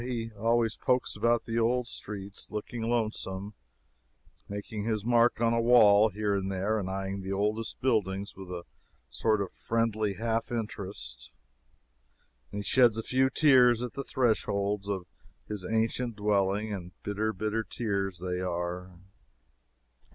He always pokes about the old streets looking lonesome, making his mark on a wall here and there, and eyeing the oldest buildings with a sort of friendly half interest; and he sheds a few tears at the threshold of his ancient dwelling, and bitter, bitter tears they are.